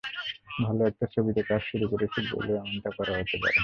ভালো একটা ছবিতে কাজ শুরু করেছি বলেও এমনটা করা হতে পারে।